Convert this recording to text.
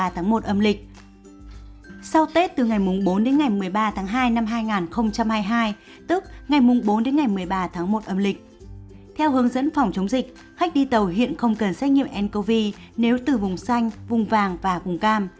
theo hướng dẫn phòng chống dịch khách đi tàu hiện không cần xét nghiệm ncov nếu từ vùng xanh vùng vàng và vùng cam